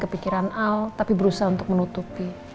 kepikiran al tapi berusaha untuk menutupi